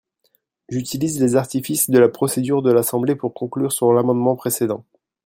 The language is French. J’utilise les artifices de la procédure de l’Assemblée pour conclure sur l’amendement précédent.